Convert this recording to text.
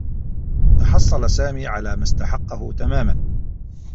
تحصّل سامي على ما استحقّه تماما.